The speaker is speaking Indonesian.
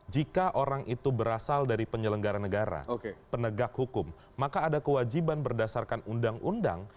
jika orang itu berasal dari penyelenggara negara penegak hukum maka ada kewajiban berdasarkan undang undang